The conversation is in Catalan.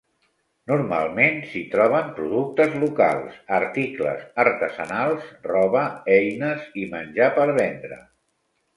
Normalment s'hi troben productes locals, articles artesanals, roba, eines i menjar per vendre.